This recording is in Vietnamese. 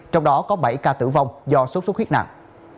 trong đó có bảy ca tử vong do sốt xuất huyết nặng